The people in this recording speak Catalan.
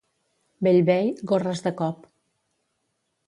Bellvei, gorres de cop.